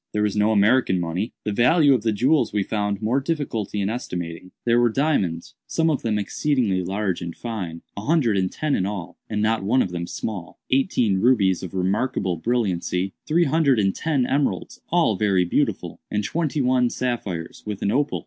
There was no American money. The value of the jewels we found more difficulty in estimating. There were diamonds—some of them exceedingly large and fine—a hundred and ten in all, and not one of them small; eighteen rubies of remarkable brilliancy;—three hundred and ten emeralds, all very beautiful; and twenty one sapphires, with an opal.